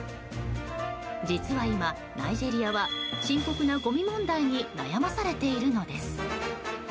実は今、ナイジェリアは深刻なごみ問題に悩まされているのです。